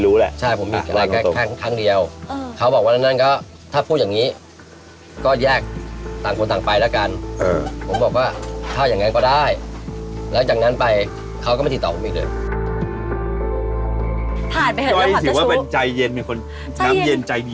และนี่เขาเป็นผู้หญิงเหล็กนะเหี้ย